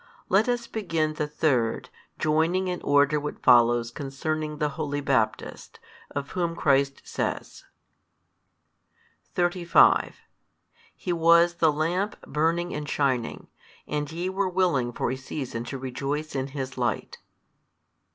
Let us begin the third, joining in order what follows concerning the holy Baptist, of whom Christ says; |287 35 He was the lamp burning and shining; and YE were willing for a season to rejoice in his light.